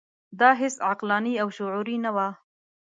دا هیڅ عقلاني او شعوري نه وه.